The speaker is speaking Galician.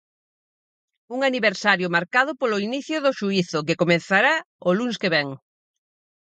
Un aniversario marcado polo inicio do xuízo, que comezará o luns que vén.